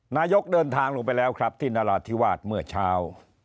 นายกเดินทางลงไปแล้วครับที่นราธิวาสเมื่อเช้า